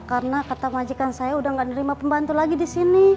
karena kata majikan saya udah gak nerima pembantu lagi disini